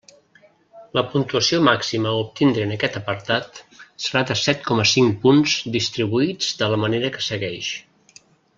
La puntuació màxima a obtindre en aquest apartat serà de set coma cinc punts distribuïts de la manera que segueix.